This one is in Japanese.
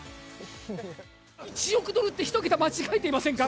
１億ドルって一桁間違えていませんか？